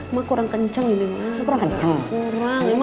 emang kurang kenceng ini waduh